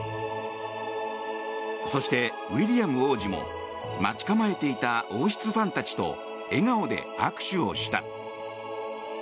そして、ウィリアム王子も待ち構えていた王室ファンたちと笑顔で握手をした。